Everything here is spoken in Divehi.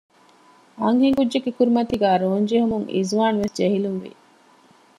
އަންހެންކުއްޖެއްގެ ކުރިމަތީގައި ރޯންޖެހުމުން އިޒުވާނުވެސް ޖެހިލުންވި